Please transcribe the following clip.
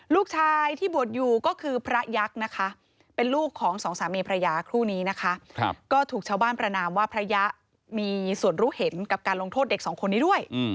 ลูกชายที่บวชอยู่ก็คือพระยักษ์นะคะเป็นลูกของสองสามีพระยาคู่นี้นะคะก็ถูกชาวบ้านประนามว่าพระยะมีส่วนรู้เห็นกับการลงโทษเด็กสองคนนี้ด้วย